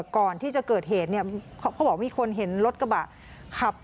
ก่อนที่จะเกิดเหตุเนี่ยเขาบอกมีคนเห็นรถกระบะขับ